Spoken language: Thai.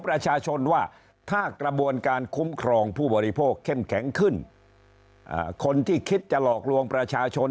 ประชาชนว่าถ้ากระบวนการคุ้มครองผู้บริโภคเข้มแข็งขึ้นคนที่คิดจะหลอกลวงประชาชน